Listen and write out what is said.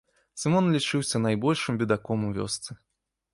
Сымон лічыўся найбольшым бедаком у вёсцы.